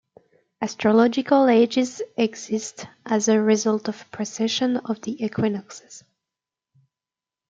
Astrological ages exist as a result of precession of the equinoxes.